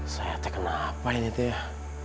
saya teken apa ini teh